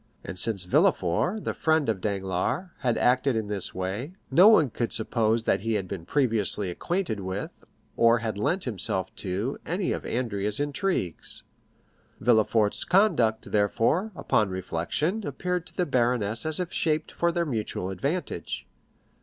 And since Villefort, the friend of Danglars, had acted in this way, no one could suppose that he had been previously acquainted with, or had lent himself to, any of Andrea's intrigues. Villefort's conduct, therefore, upon reflection, appeared to the baroness as if shaped for their mutual advantage.